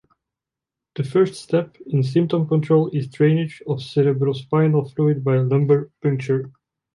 The first step in symptom control is drainage of cerebrospinal fluid by lumbar puncture.